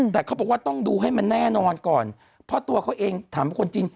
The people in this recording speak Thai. แต่เขาบอกว่าต้องดูให้มันแน่นอนก่อนเพราะตัวเขาเองถามคนจีน